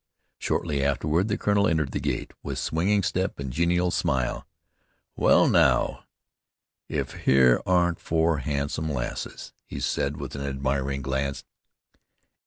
Shortly afterward the colonel entered the gate, with swinging step and genial smile. "Well, now, if here aren't four handsome lasses," he said with an admiring glance.